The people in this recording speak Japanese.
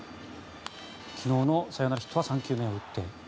昨日のサヨナラヒットは３球目を打って。